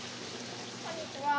こんにちは。